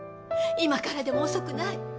今からでも遅くない。